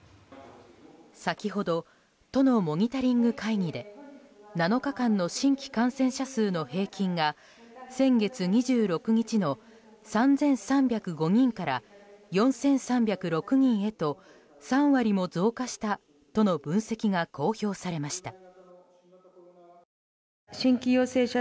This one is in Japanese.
先ほど都のモニタリング会議で７日間の新規感染者数の平均が先月２６日の３３０５人から４３０６人へと３割も増加したとの分析が公表されました。